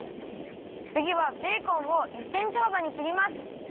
つぎはベーコンを１センチはばにきります。